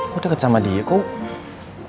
kok deket sama dia kok